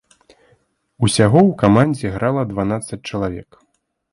Усяго ў камандзе грала дванаццаць чалавек.